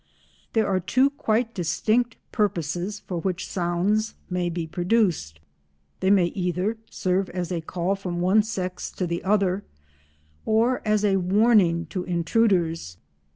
There are two quite distinct purposes for which sounds may be produced; they may either serve as a call from one sex to the other, or as a warning to intruders.